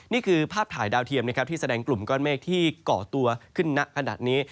นี่คือภาพถ่ายดาวเทียมนะครับที่แสดงกลุ่มก้อนเมฆที่เกาะตัวขึ้นณขนาดนี้